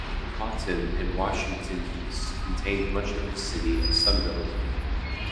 Houghton and Washington East contained much of the City of Sunderland.